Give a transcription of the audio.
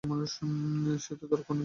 সে তো তর্ক নয়, প্রায় ঘুষি বলিলেই হয়।